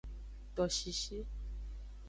Toshishi.